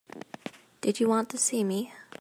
Did you want to see me?